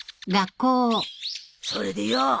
それでよ。